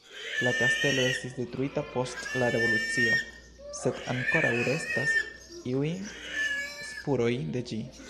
La kastelo estis detruita post la Revolucio, sed ankoraŭ restas iuj spuroj de ĝi.